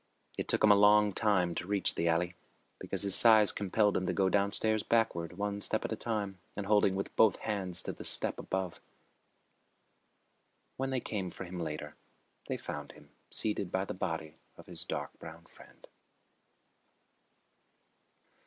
It took him a long time to reach the alley, because his size compelled him to go downstairs backward, one step at a time, and holding with both hands to the step above. When they came for him later, they found him seated by the body of his dark brown friend.